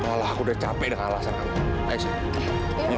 alah aku udah capek dengan alasan kamu ayo shay